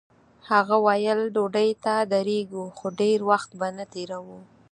هغه ویل ډوډۍ ته درېږو خو ډېر وخت به نه تېروو.